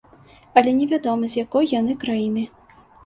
Але невядома, з якой яны краіны.